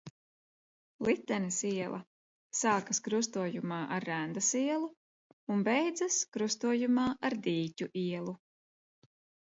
Litenes iela sākas krustojumā ar Rendas ielu un beidzas krustojumā ar Dīķu ielu.